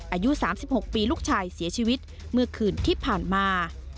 อายุ๓๖ปีลูกชายเสียชีวิตเมื่อคืนที่ผ่านมา